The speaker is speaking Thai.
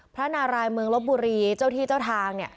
พระนารายเมืองลบบุรีเจ้าที่เจ้าทาง